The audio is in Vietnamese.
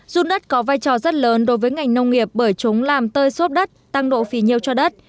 run đất có vai trò rất lớn đối với ngành nông nghiệp bởi chúng làm tơi xốp đất tăng độ phì nhiêu cho đất